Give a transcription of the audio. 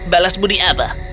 balas budi apa